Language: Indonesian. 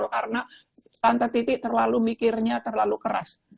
karena pantatiti terlalu mikirnya terlalu keras